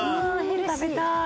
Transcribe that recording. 食べたい。